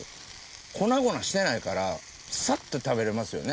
粉々してないからさっと食べられますよね。